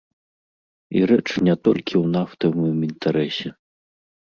І рэч не толькі ў нафтавым інтарэсе.